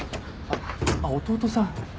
あっ弟さん。